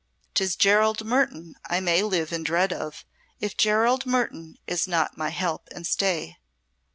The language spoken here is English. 'Tis Gerald Mertoun I may live in dread of, if Gerald Mertoun is not my help and stay."